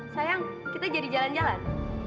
sayang kita jadi jalan jalan